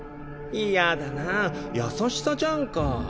嫌だなぁ優しさじゃんか。